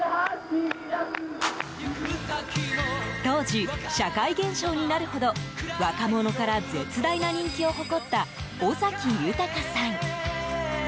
当時、社会現象になるほど若者から絶大な人気を誇った尾崎豊さん。